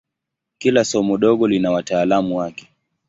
Kila somo dogo lina wataalamu wake.